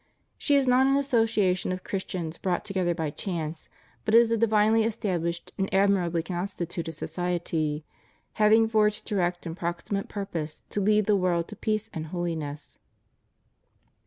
She is not an association of Christians brought together by chance, but is a divinely established and admirably con stituted society, having for its direct and proximate purpose to lead the world to peace and hohness.